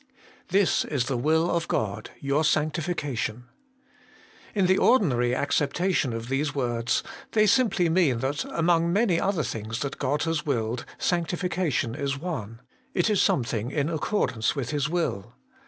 ' This is the will of God, your sanctification.' In the ordinary acceptation of these words, they simply mean that among many other things that God has willed, sanctification is one; it is something in accord ance with His will.